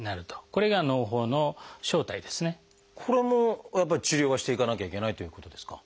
これもやっぱり治療はしていかなきゃいけないということですか？